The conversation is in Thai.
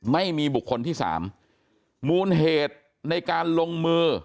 ไม่มีบุคคลที่สามมูลเหตุในการลงมือ